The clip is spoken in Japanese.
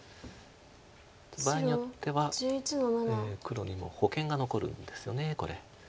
場合によっては黒にも保険が残るんですよねこれ。